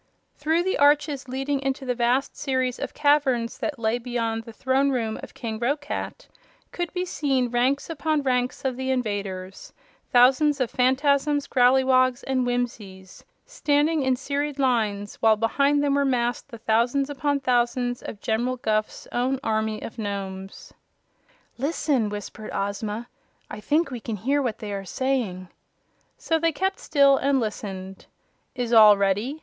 Through the arches leading into the vast series of caverns that lay beyond the throne room of King Roquat could be seen ranks upon ranks of the invaders thousands of Phanfasms, Growleywogs and Whimsies standing in serried lines, while behind them were massed the thousands upon thousands of General Guph's own army of Nomes. "Listen!" whispered Ozma. "I think we can hear what they are saying." So they kept still and listened. "Is all ready?"